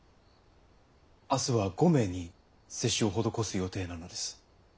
明日は５名に接種を施す予定なのです。